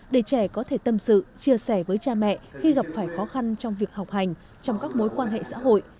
để trẻ có thể tâm sự chia sẻ với cha mẹ khi gặp phải khó khăn trong việc học hành trong các mối quan hệ xã hội